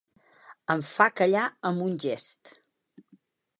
Em fa callar amb un gest.